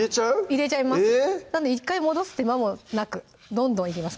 入れちゃいますなので１回戻す手間もなくどんどんいきます